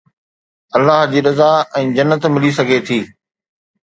الله جي رضا ۽ جنت ملي سگهي ٿي